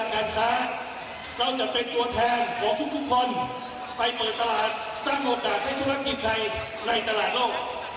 การค้าเราจะเป็นตัวแทนของทุกคนไปเปิดตลาดสร้างโอกาสให้ธุรกิจไทยในตลาดโลก